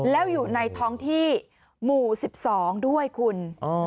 แล้วอยู่ในท้องที่หมู่๑๒ด้วยคุณ